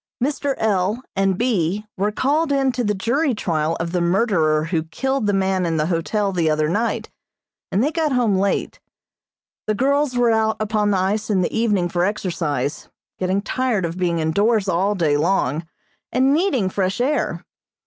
Mr. L. and B. were called in to the jury trial of the murderer who killed the man in the hotel the other night, and they got home late. The girls were out upon the ice in the evening for exercise, getting tired of being indoors all day long, and needing fresh air.